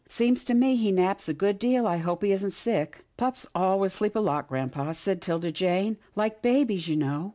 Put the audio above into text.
"Seems to me he naps a good deal. I hope he isn't sick." " Pups always sleep a lot, grampa," said 'Tilda Jane, " like babies, you know.